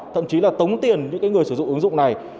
thậm chí là tống tiền những người sử dụng ứng dụng này